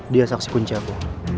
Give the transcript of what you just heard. dia saksi kunci aku